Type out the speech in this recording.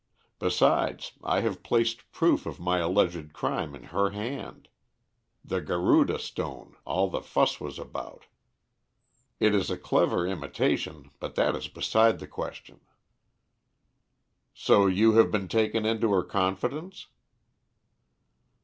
Besides, I have placed proofs of my alleged crime in her hand the Garuda stone all the fuss was about. It is a clever imitation, but that is beside the question." "So you have been taken into her confidence?"